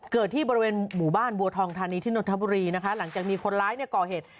ที่บริเวณหมู่บ้านบัวทองธานีที่นนทบุรีนะคะหลังจากมีคนร้ายเนี่ยก่อเหตุ